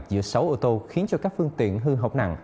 giữa sáu ô tô khiến cho các phương tiện hư hỏng nặng